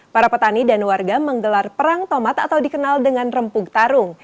para petani dan warga menggelar perang tomat atau dikenal dengan rempuk tarung